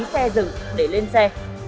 xe dừng để lên xe